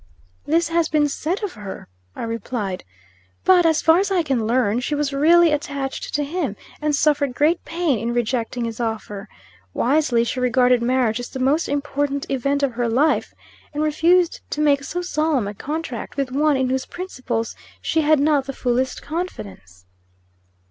"This has been said of her," I replied. "But, as far as I can learn, she was really attached to him, and suffered great pain in rejecting his offer. Wisely she regarded marriage as the most important event of her life, and refused to make so solemn a contract with one in whose principles she had not the fullest confidence."